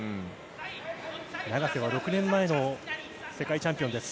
永瀬は６年前の世界チャンピオンです。